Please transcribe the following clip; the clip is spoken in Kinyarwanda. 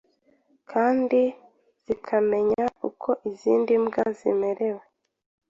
kandi zikamenya uko izindi mbwa zimerewe.